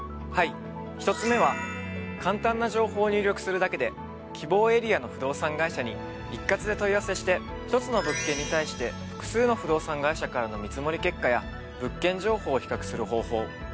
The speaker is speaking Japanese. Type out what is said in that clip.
はい１つ目は簡単な情報を入力するだけで希望エリアの不動産会社に一括で問い合わせして１つの物件に対して複数の不動産会社からの見積もり結果や物件情報を比較する方法。